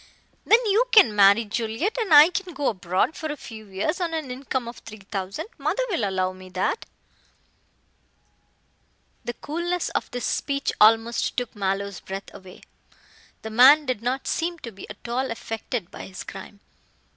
Then you can marry Juliet, and I can go abroad for a few years on an income of three thousand. Mother will allow me that." The coolness of this speech almost took Mallow's breath away. The man did not seem to be at all affected by his crime.